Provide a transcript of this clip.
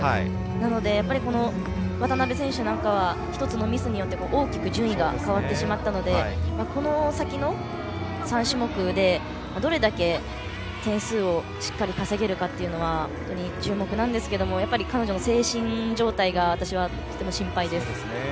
なので、渡部選手なんかは１つのミスによって大きく順位が変わってしまったのでこの先の３種目でどれだけ点数をしっかり稼げるかは注目なんですがやっぱり、彼女の精神状態がとても心配です。